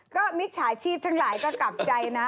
ก็มิจฉาชีพทั้งหลายก็กลับใจนะ